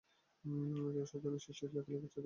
তিনি সব ধরনের সৃষ্টিশীল লেখালেখি ছেড়ে দেন।